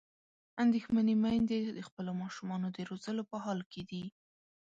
اندېښمنې میندې د خپلو ماشومانو د روزلو په حال کې دي.